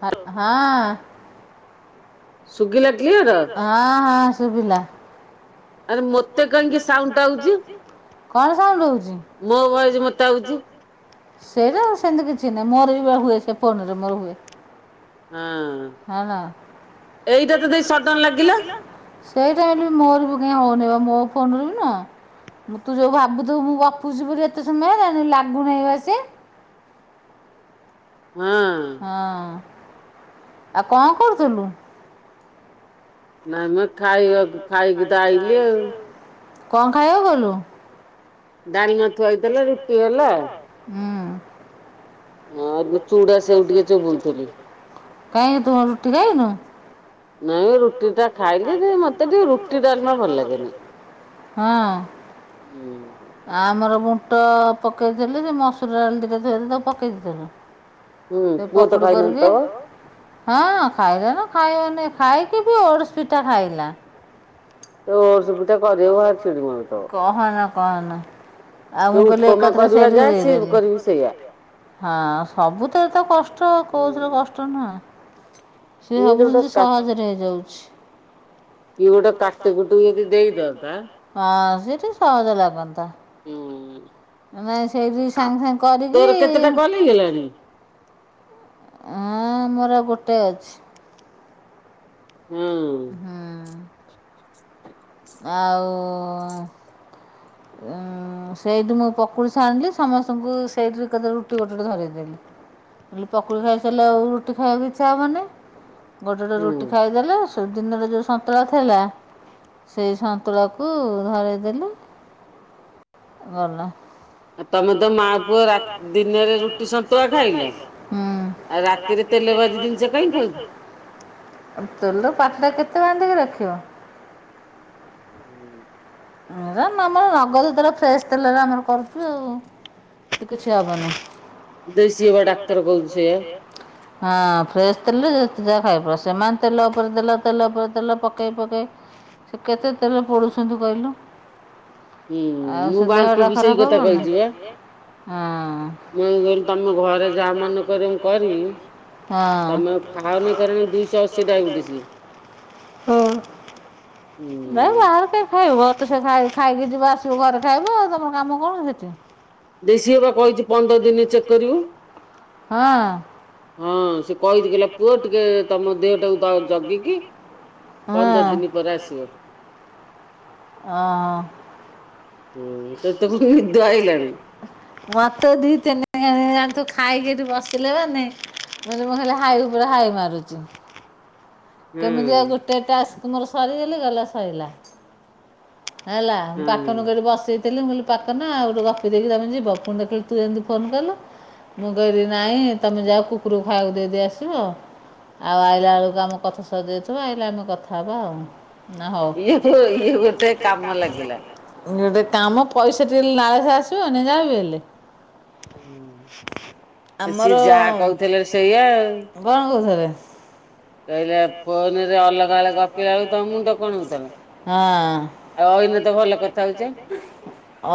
Hello ହଁ ଅଁ ଶୁଭିଲା କ୍ଳିଅର? ହଁ ହଁ ଶୁଭିଲା। ଆରେ କାହିଁକି ସାଉଣ୍ଡ ଆଉଚି, ମୋତେ କ'ଣ ସାଉଣ୍ଡ ହଉଛି? ମୋ ଭଏସ ମତେ ଆଉଛି। ସେଇରା ସେମିତି କିଛି ନାହିଁ ମୋର ବି ହୁଏ। ସେ ଫୋନ ରେ ମୋର ହୁଏ। ହଁ ଅଁ ଏଇଟା ତ ଦେଇ ସଡନ ଲାଗିଲା। ସେଇ ଟାଇମରେ ବି ମୋର ବି କାହିଁ ହଉନି ବା। ମୋ ଫୋନରୁ ବି ନୁହଁ? ତୁ ଯୋଉ ଭାବୁଥିବୁ ମୁଁ ଗପୁଛି ବୋଲିଏତେ ସମୟହେଲାଣି ଲାଗୁନେଇ ପା ସେ। ହଁଅଁ ହଁ ଆଉ କ'ଣ କରୁଥୁଲୁ? ନାଇଁ ମଖାଇବା ଖାଇକିତ ଆଇଲି ଆଉ। କ'ଣ ଖାଇବାକୁ କଲୁ? ଡାଲମା ଥୁଆ ହେଇଥିଲା ରୁଟି ହେଲା ଆଉ। ହୁଁଉଁ। ଆ [unintelligible] କାଇଁ ତୁ କ'ଣ ରୁଟି ଖାଇନୁ? ନାଇଁ ରୁଟି ଟା ଖାଇଲେ ଯେ ମତେ ଟିକେ ରୁଟି ଡାଲ ମା ଭଲ ଲାଗେନି। ହଁଅଁ। ଆ ଆମର ବୁଟ ପକେଇଥିଲି ମସୁରଡାଲି ଦିଟା ଥିଲା ତାକୁ ପକେଇ ଦେଇଥିଲୁ। ପକୁଡି କରିବି। ହଁ ଖାଇଲା ନା ଖାଇବନି ଖାଇକି ବି ଓଡ଼ଶ ପିଠା ଖାଇଲା। ଓଡ଼ସ ପିଠା କରିବକୁ ଭାରି ଛିଡି ମାରୁଥିବ। କହନା କହ ନା। ଆଉ ମୁଁ କହିଲି ଏକାର୍ଥେ ସେଇଠିକି ଦେଇଦେଲିି ହଁ। ସବୁ ଥରେ ତ କଷ୍ଟ କୋଉଥିରେ କଷ୍ଟ ନୁହଁ। ସେ ଭାବୁଛନ୍ତି ସହଜରେ ହେଇଯାଉଛି। କିଏ ଗୋଟେ କାଟି କୁଟି କି ଦେଇଦିଅନ୍ତା। ନାଇଁ ସେଇଠି ସାଙ୍ଗେ ସାଙ୍ଗେ କରିକି ହଁ ମୋର ଗୋଟେ ଅଛି। ହଁ ଆଉ ସେଇଠି ମୁଁ ପକୁଡି ଛାଣିଲି ସମସ୍ତଙ୍କୁ ସେଇଠି ଏକା ଥରେ ରୁଟି ଗୋଟେ ଗୋଟେ ଧରାଇଦେଲି। ପକୁଡ଼ି ଖାଇସାରିଲେ ଆଉ ରୁଟି ଖାଇ ବାକୁ ଇଚ୍ଛା ହବନି। ଗୋଟେ ଗୋଟେ ରୁଟି ଖାଇଦେଲେ ଦିନର ଯଉ ସନ୍ତୁଳା ଥିଲା ସେଇ ସନ୍ତୁଳାକୁ ଧରେଇ ଦେଲି ଗଲା। ତମେ ତ ମା ପୁଅ ରାତି ଦିନରେ ରୁଟି ସନ୍ତୁଳା ଖାଇଲ। ଆଉ ରାତିରେ ତେଲ ଭାଜି ଜିନିଷ କାଇଁ ଖାଉଚୁ। ଆଉ ତୁଲୁ ପାଟିଟା କେତେ ବାନ୍ଧିକି ରଖିବ। ହୁଁ ହେରା ଆମର ନଗଦ ତେଲ ଫ୍ରେଶ ତେଲରେ ଆମର କରୁଚୁ ଆଉ। ତ କିଛ ହବନେଇଁ। ଦେଶି ବା ଡାକ୍ତର କହୁଛି ସେଇଆ। ହ ହଁ ଫ୍ରେଶ୍ ତେଲରେ ଯେତେ ଯାହା ଖାଇପ ସେମାନେ ତେଲ ଉପରେ ଦେଲ ତେଲ ଉପରେ ଦେଲ ପକେଇ ପକେଇ ସେ କେତେ ତେଲ ପଡ଼ୁଛନ୍ତି କହିଲୁ। ଆଉ ସେ ଦେହ ଟା ଖରାପ ହବନି। ହଁ ହଁ ହୁଁ। ହୁଁ। ବାହାରେ କିଏ ଖାଇବ ତେ ଖାଇ ଖାଇକି ଯିବ ଆସିବ ଘରେ ଖାଇବ ଆଉ ତମ କାମ କଣ ସେଟି। ହଁ। ହଁ ସେ କହିଛି କହିଲା ପୁଅ ଟିକେ ତମ ଦେହଟାକୁ ଦ ଜଗିକି ପନ୍ଦର ଦିନି ପରେ ଆସିବ। ଅହଁ ହୁଁ ତତେ କଁ ନିଦ ଆଇଲାଣି। ମତେ ଦି ତିନି ଣି ତୁ ଖାଇକି ଏଠି ବସିଲା ମାନେ ମୁଁ କହିଲି ହାଇ ଉପରେ ହାଇ ମାରୁଚି। କେମିତି ଆଉ ଗୋଟେ ଟାସ୍ମ ମୋର ସରିଗଲେ ଗଲା ସରିଲା। ହେଲା ମୁ ପାକନକୁ ଏଠି ବସେଇ ଲି ମୁଁ କଇଲି ପାକନ ଆଉ ଗୋଟେ ଗପି ଦେଇକି ଯିବ ପୁଣି ଦେଖିଲି ତୁ ଯେମିତି ଫୋନ କଲୁ ମୁଁ କଇଲି ନାଇଁ ତମେ ଯାଅ କୁକୁରକୁ ଖାଇବାକୁ ଦେଇଦେଇ ଆସିବ। ଆଉ ଆଇଲା ବେଳକୁ ଆମ କଥା ସରିଜାଇଥିବ ଆଇଲେ ଆମେ କଥା ହବା ଆଉ। ଆ ହଉ ଗୋଟେ କାମ ପଇସା ଟିକେ ଲାଳସା ଆସିବନି ଯାହାବି ହେଲେ। ଆମର କଣ କହୁଥିଲେ। ହଁ ହଁ ଏଇନ ତ ଭଲ କଥା ହଉଚେ।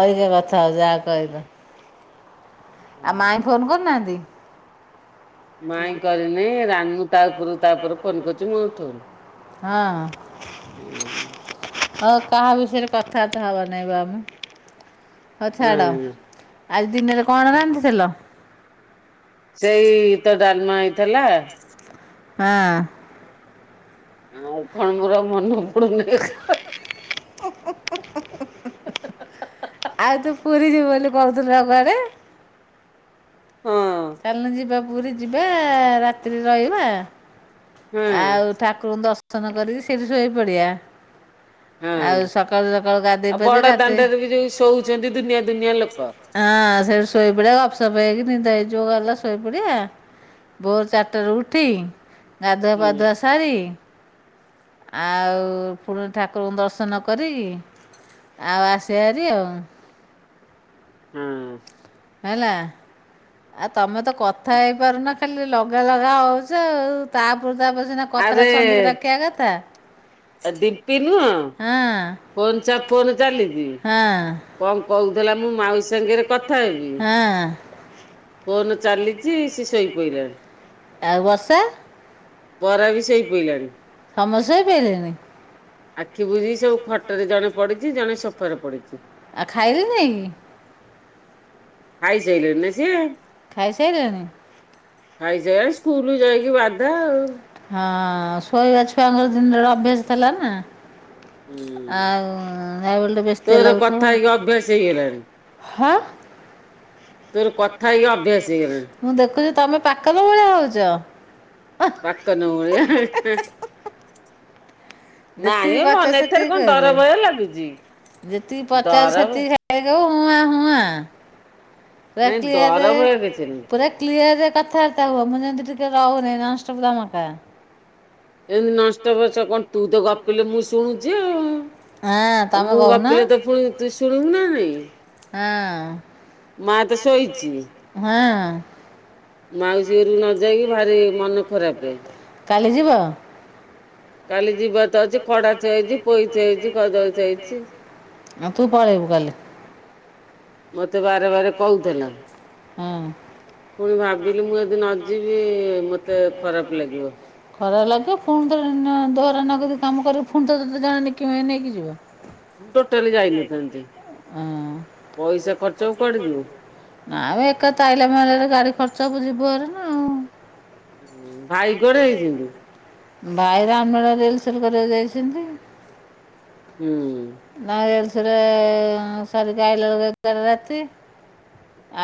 ଅଇକା କଥା ହଉ ଯାହା କହିବ ଆଉ ମାଇଁ ଫୋନ କରୁନାହାନ୍ତି? ମାଇଁ କରିନେଇଁ ରାନୁ ତା ଉପରୁ ତାପର ଫୋନ କରୁଛି ମୁଁ ଉଠୋଉନି। ହଁ ହଁ କାହା ବିଷୟରେ କଥାବାର୍ତା ହବ ନାଇଁ ବା ଆମେ। ହଉ ଛାଡ ଆଜି ଦିନରେ କଣ ରାନ୍ଧିଥିଲ? ସେଇ ତ ଡାଲମା ହେଇଥିଲା। ହଁ ଆଉ କଣ ମୋର ଆଉ ମନେ ପୁଡୁନି [unintelligible] ହୁଁ ହୁଁ ହୁଁ ହୁଁ ହୁଁ ହୁଁ। ଆଉ ତୁ ପୁରୀ ଯିବୁ ବୋଲି କହୁଥିଲୁ ବା କୁଆଡେ? ହଁ ଚାଲୁନ ଯିବା ପୁରୀ ଯିବା ରାତିରେ ରହିବା। ଆଉ ଠାକୁରଙ୍କୁ ଦର୍ଶନ କରିକି ସେଇଠି ଶୋଇ ପଡିବା। ଆଉ ସକାଳୁ ସକାଳୁ ଗାଧୋଇ ପଧେଇ ରାତି [inaudible] ଯଦି ଦୁନିଆ-ଦୁନିଆ ଲୋକ। ଅଁ ସେଇଠୁ ଶୋଇପଡିଆ ଗପସପ୍ ହେଇକି ନିଦ ହେଇଯିବ ଗଲା ଶୋଇପଡିଆ। ଭୋର୍ ଚାରିଟାରୁ ଉଠି ଗାଧୁଆ ପାଧୁଆ ସାରି ଆଉ ପୁଣି ଠାକୁରଙ୍କୁ ଦର୍ଶନ କରି ଆଉ ଆସିବା ହାରି ଆଉ। ହୁଁ। ହେଲା। ଆଉ ତମେ ତ କଥା ହେଇପାରୁନ ଖାଲି ଲଗା-ଲଗା ହଉଚ ଆଉ ତାପରେ-ତାପରେ ସିନା କତରା ଛନ୍ଦିକି ରଖିଆ କଥା। ହଁ-ହଁ। କଣ କହୁଥିଲା ମୁଁ ମାଉସୀ ସାଙ୍ଗରେ କଥା [unintelligible] ଆଉ ବର୍ଷା? ବରା ବି [unintelligible] ପଇଲାଣି। [unintelligible] ଶୋଇପଇଲେଣି? ଆଖି ବୁଜିି ସବୁ ଖଟରେ ଜଣେ ପଡିଚି ଜଣେ ସୋଫାରେ ପଡିଚି। ଆଉ ଖାଇଲେ ନାଇଁ କି? ଖାଇ ସାଇଲେନି ନ ସିଏ ଖାଇସାଇଲେନି? ଖାଇସାରିଲାଣି ସ୍କୁଲ୍ କୁ ଯାଇକି ବାଧା ଆଉ। ହଁ ଶୋଇବା ଛୁଆଙ୍କର ଦିନରେ ଅଭ୍ୟାସ ଥିଲା ନା। ଆଉ ବେଶତିଆ ଲାଗୁଥିବ ହଁ। ତୋର କଥା ହେଇକି ଅଭ୍ୟାସ ହେଇଗଲାଣି। ମୁଁ ଦେଖୁଚି ତମେ ପାକନ ଭଳିଆ ହଉଚ। ପାକନ ଭଳିଆ। ଯେତିକି ପଚା ସେତିକି [unintelligible] ଯେତିକି ପଚା ସେତିକି [inaudible] କ୍ଲିୟର୍ ରେ କଥାବାର୍ତ୍ତା ହୁଅ ମୁଁ ଯେମ୍ତି ଟିକେ ରହୁନି ନନ୍ଷ୍ଟପ୍ ଧମାକା। ଏନ୍ତି ନନ୍ଷ୍ଟପ୍ [unintelligible] କଣ ତୁ ତ ଗପିଲେ ମୁଁ ଶୁଣୁଚି ଆଉ। ଆଉ ମୁଁ ଗପିଲେ ତ ଫୁଣି ତୁ ଶୁଣିବୁ ନା ନାଇଁ? ହଁ। ମାଉସୀ ଘରୁକୁ ନ ଯାଇକି ଭାରି ମନ ଖରାପେ। କାଲି ଯିବ? କାଲି ଯିବାର ତ ଅଛି, ଖଡା ଥୁଆହଇଚି ପୋଇ ଥୁଆହେଇଚି କଦଳୀ ଥୁଆହେଇଚି। ଆଉ ତୁ ପଳେଇବୁ କାଲି? ମତେ ବାର-ବାର କହୁଥେଲା। ହଁ। ପୁଣି ଭାବିଲି ମୁଁ ଯଦି ନ ଯିବି ମୋତେ ଖରାପ୍ ଲାଗିବ। ଖରାପ୍ ଲାଗିବ ଫୁଣି ଥରେ ନ ଧରା ନଗଦ କାମ କରିବ, ଫୁଣି ତତେ ଜଣେ ନିକିମା ହେଇ ନେଇକି ଯିବ। ହ ହଁ। ଆଉ [unintelligible] ଆଇଲା [unintelligible] ଗାଡି ଖର୍ଚ୍ଚ [unintelligible] ହାରି ନା ଆଉ। ଭାଇ କୁଆଡ଼େ? ହୁଁ। ନା ରିଏଲ୍ସେଲ ସାରିକି ଆଇଲା ଵେଲୁକୁ [unintelligible] ରାତି।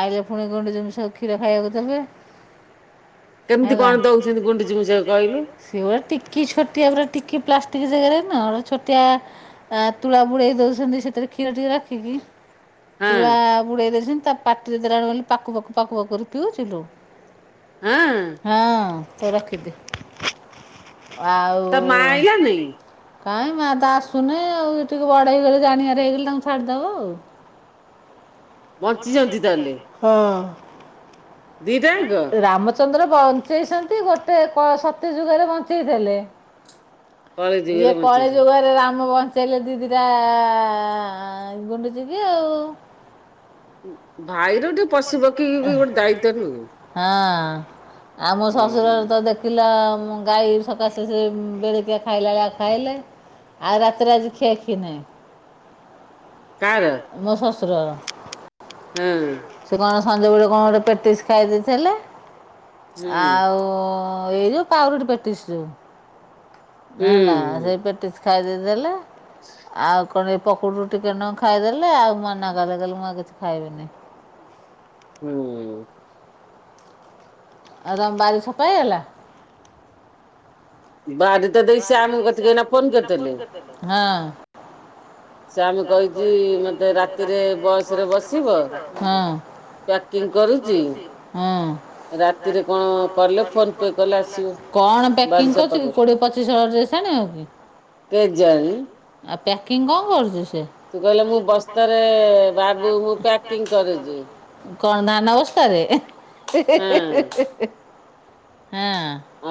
ଆଇଲେ ଫୁଣି ଗୁଣ୍ଡୁଚି ମୂଷାକୁ କ୍ଷୀର ଖାଇଆକୁ ଦେବେ। କେମ୍ତି କଣ ଦଉଚନ୍ତି ଗୁଣ୍ଡୁଚି ମୂଷାକୁ କହିଲୁ? ସେ ଗୋଟିଏ ଟିକି ଛୋଟିଆ ପୁରା ଟିକି ପ୍ଲାଷ୍ଟିକ ଜାଗାରେ ନହେଲେ ଛୋଟିଆ ଆ ତୁଳା ବୁଡେଇ ଦୋଉଚନ୍ତି ସେଥିରେ କ୍ଷୀର ଟିକେ ରଖିକି। ତୁଳା ବୁଡେଇ ଦେଇ ଚିନି ତା ପାଟିରେଦେଲା ବେଳୁ ଖାଲି ପାକୁ ପାକୁ ପାକୁ ପାକୁ କରି ପିଉଚିଲୋ। ହଁ। ହଁ [unintelligible] ଆଉ କାଇଁ ମା ତ ଆସୁନେଇ ଆଉ ଟିକେ ବଡ ହେଇଗଲେ ଜାଣିବାର ହେଇଗଲେ ତାଙ୍କୁ ଛାଡିଦବ ଆଉ। ଅଛି [unintelligible] ତାହେଲେ। ରାମଚନ୍ଦ୍ର ଚନ୍ଦ୍ର ବଞ୍ଚେଇଛନ୍ତି ମତେ ସତ୍ୟ ଯୁଗରେ ବଞ୍ଚେଇ ଦେଲେ। ଇଏ କଳି ଯୁଗରେ ରାମବଂଶ ଦେଲେ ଦି ଦିଟା ଗୁଣ୍ଡୁଚି କି ଆଉ। ଭାଇର ଟିକେ ପଶୁପକ୍ଷୀ ବି ଗୋଟେ ଦାୟିତ୍ବ ନୁହେଁ। ହଁ ଆମ ଶଶୁରର ତ ଦେଖ [unintelligible] ଗାଈ ସକାଶେ ସେ ବେଳିକିଆ ଖାଇଲା ବେ ଳିଆ ଖାଇଲେ। ଆଉ ରାତିରେ ଆଜି ଖିଆ ଖି ନାଇଁ। କାର? ମୋ ଶଶୁରର। ହୁଁ। ସେ କଣ ସଞ୍ଜବେଳେ କଣ ଗୋଟେ ପେଟିସ୍ ଖାଇ ଦେଇଥେଲେ। ଆଉ ଏଇଯୋଉ ପାଉରୁଟି ପେଟିସ୍ ଯୋଉ। ହେଲା ସେଇ ପେଟିସ ଖାଇ ଦେଇଥିଲେ ଆଉ କଣଏ ପକୁଡ଼ିରୁ ଟିକେ ନାଗୁ ଖାଇଦେଲେ ଆଉ ମନା କଲେ କଇଲେ ମୁଁ ଆଉ କିଛି ଖାଇବିନି। ହୁଁ। ଆଉ ତମ ବାରି ସଫା ହେଇଗଲା? ବାରି ତ ଦେଇ ସେ ଆମ କତିକି ଏଇନା ଫୋନ କରିଥେଲେ। ହଁ। ସିଏ ଆମକୁ କହିଚି ମତେ ରାତିରେ ବସରେ ବସିବ। ପ୍ୟାକିଙ୍ଗ୍ କରୁଚି? କଣପ୍ୟାକିଂ କରୁଚିକୀ କୋଡିଏ ପଚିଶହଳ ଡ୍ରେସ୍ [unintelligible] ଆଉ ପ୍ୟାକିଂ କଣ କରୁଚି ସେ? ସେ କଇଲା ମୁଁ ବସ୍ତାରେ ବାବୁ ମୁଁ ପ୍ୟାକିଂ କରୁଚି। କଣ ଧାନବସ୍ତାରେ?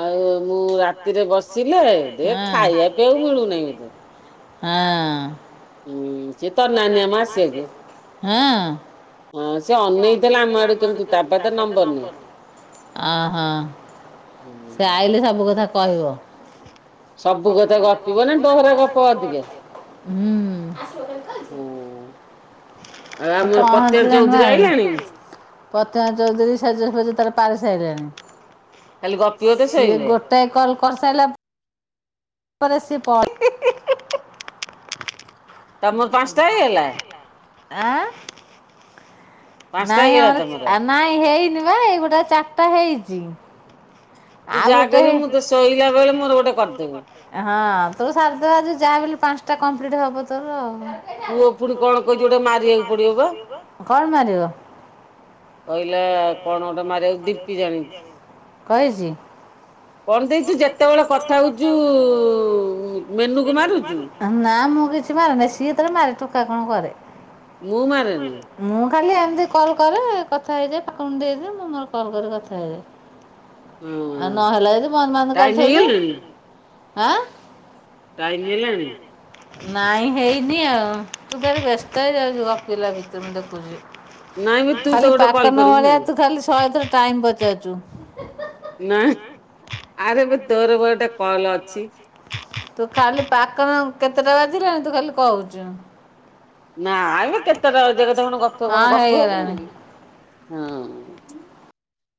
ଆଉ ମୁଁ ରାତିରେ ବସିଲେ ଏ ଖାଇବା ପିଇବାକୁ ମିଳୁନାଇଁ। ହଁ। ହୁଁ ସେ ତର ନାନୀ ଆମ ଆସିବାକୁ। ହଁ ସେ ଅନେଇଥେଲା ଆମ ଆଡେ କେମିତି ତାପାଖେ ନମ୍ବର ନାହିଁ। ଅ ହ ସେ ଆଇଲେ ସବୁ କଥା କହିବ। ସବୁ କଥା ଗପିବ ନାଁ [unintelligible] ଓ ଆଉ ଆମର [unintelligible] ଜୋଉତୁକ ଆଇଲାଣି? [unintelligible] ଚୌଧୁରୀ ସେଜ ସୁଜି ତାର ପାରି ସାରିଲାଣି ସିଏ ଗୋ ଗୋଟାଏ କଲ କରିସାରିଲାପ [unintelligible] ଆଁ। ନାଇଁ ଆମର ଆ ନାଇଁ ହେଇନି ବା ଏଇ ପଟେ ଚାରିଟା ହେଇଚି। ତୁ ଜାକରିବୁ ମୁଁ ତୋ ଶୋଇଲା ବେଳେ ମୋର ଗୋଟେ କରିଦୋବୁ। ହଁ ତୋର ସାରଦ ଆଜି ଯାହା ବୋଲି ପାଞ୍ଚଟା କମ୍ପ୍ଲିଟ ହବ ତୋର ଆଉ। ପୁଅ ପୁଣି କଣ କହିଚି ଗୋଟେ ମାରିବାକୁ ପଡିବ ବା। କଣ ମାରିବ? କହିଲା କଣ ଗୋଟେ ମାରିବାକୁ ଦୀପି ଜାଣିଚି। କଣ ଦେଇଚୁ ଯେତେବେଳେ କଥା ହଉଚୁ ମେନୁକୁ ମାରୁଚୁ। ନା ମୁଁ କିଛି ମାରେନି ସିଏତରେ ମାରେ ଟୋକା କଁ କରେ। ମୁଁ ମାରେନି। ମୁଁ ଖାଲି ଏମିତି କଲ୍ କରେ କଥା ହେଇଯାଏ। ପାଖ ମୁ ଦେଇଦଏ। ମୁଁ ମୋର କଲ୍ କରି କଥା ହେଇଯାଏ। ଆଉ ନହେଲା ଯଦି ବନ୍ଦ ବାନ୍ଦ କରିଥେବି ଏଁ। [unintelligible] ନାଇଁ ହେଇନି ଆଉ। ତୁ ବ୍ୟସ୍ତ ହେଇଯାଉଚୁ ପିଲା ଭିତରୁ ମୁ ଦେଖୁଚି। ଖାଲି ପାକ ନ ଭଳିଆ ତୁ ଖାଲି ଶହେ ଥର ଟାଇମ ପଚାରୁଚୁ। ନା, ଆରେ ଏବେ ଦୋରବୋର ଟା କଲ ଅଛି। ତୁ ଖାଲି ପାକନ କେତେଟା ରାତିରେ ତୁ ଖାଲି କହୁଚୁ। ନାଇଁ କେତେଟା ବ କଥା କଣ ଗପ କଣ ଗପ ହବନିକି ହଁ।